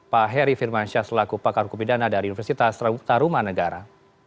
pak heri firman syaslaku pakar hukum pidana dari universitas tarumanegara